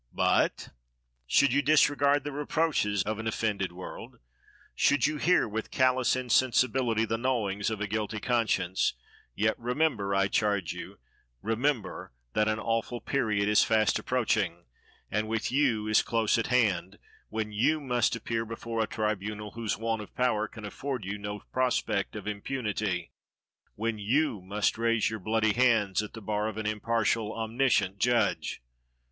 But, should you disregard the reproaches of an offended world, should you hear with callous insensibility the gnawings of a guilty conscience, yet remember, I charge you, remember, that an awful period is fast approaching, and with you is close at hand, when you must appear before a tribunal whose want of power can afford you no prospect of impunity; when you must raise your bloody hands at the bar of an impartial omniscient Judge!